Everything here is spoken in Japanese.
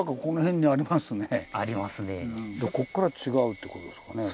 こっから違うって事ですかね？